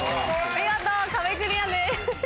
見事壁クリアです。